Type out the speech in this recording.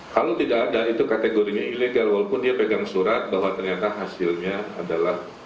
kalau tidak ada itu kategorinya ilegal walaupun dia pegang surat bahwa ternyata hasilnya adalah